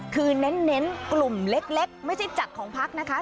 คือเน้นกลุ่มเล็กไม่ใช่จัดของพักนะคะ